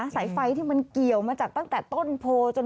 สายไฟที่เกี่ยวตั้งแต่ต้นโพล